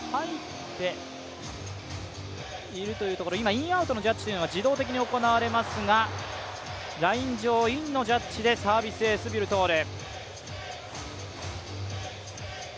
インアウトのジャッジというのが自動的に行われますがライン上、インのジャッジでサービスエース、ビュルトール。